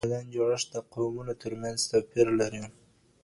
د بدن جوړښت د قومونو تر منځ توپیر لري.